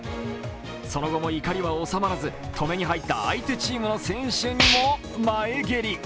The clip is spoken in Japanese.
その後も怒りは収まらず止めに入った相手チームの選手にも前蹴り。